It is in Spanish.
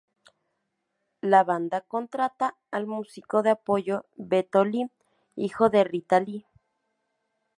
La banda contrata al músico de apoyo Beto Lee, hijo de Rita Lee.